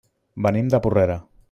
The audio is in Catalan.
Venim de Porrera.